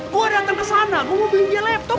gue datang ke sana mau belinya laptop